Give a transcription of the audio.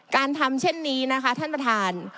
การทำเช่นนี้นะคะท่านประธาน